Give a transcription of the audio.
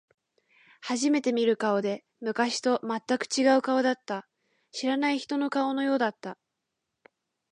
初めて見る顔で、昔と全く違う顔だった。知らない人の顔のようだった。